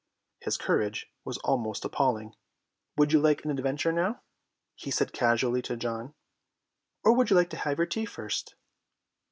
His courage was almost appalling. "Would you like an adventure now," he said casually to John, "or would you like to have your tea first?"